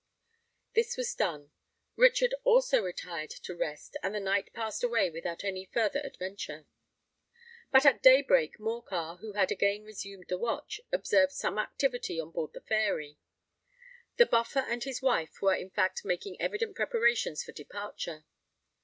This was done; Richard also retired to rest; and the night passed away without any further adventure. But at day break Morcar, who had again resumed the watch, observed some activity on board the Fairy. The Buffer and his wife were in fact making evident preparations for departure.